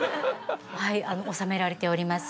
はい収められております。